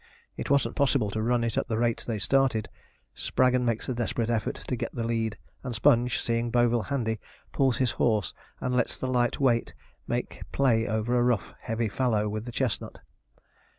It wasn't possible to run it at the rate they started. Spraggon makes a desperate effort to get the lead; and Sponge, seeing Boville handy, pulls his horse, and lets the light weight make play over a rough, heavy fallow with the chestnut.